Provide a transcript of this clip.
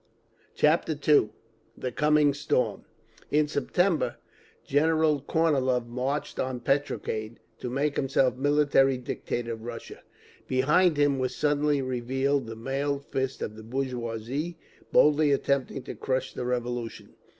Chapter II The Coming Storm In September General Kornilov marched on Petrograd to make himself military dictator of Russia. Behind him was suddenly revealed the mailed fist of the bourgeoisie, boldly attempting to crush the Revolution.